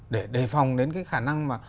để đề phòng đến cái khả năng mà